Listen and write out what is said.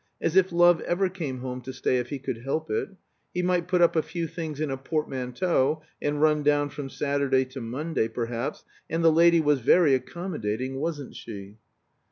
As if love ever came home to stay if he could help it. He might put up a few things in a portmanteau, and run down from Saturday to Monday, perhaps, and the lady was very accommodating, wasn't she?"